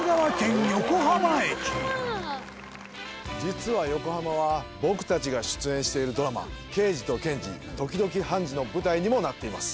実は、横浜は僕たちが出演しているドラマ『ケイジとケンジ、時々ハンジ。』の舞台にもなっています。